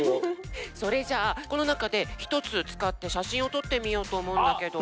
それじゃあこのなかでひとつつかってしゃしんをとってみようとおもうんだけど。